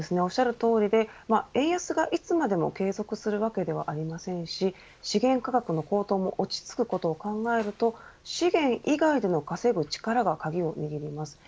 おっしゃるとおりで円安がいつまでも継続するわけではありませんし資源価格の高騰も落ち着くことを考えると資源以外での稼ぐ力が鍵を握ります。